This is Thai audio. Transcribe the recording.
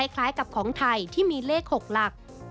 คล้ายกับของไทยที่มีเลข๖หลัก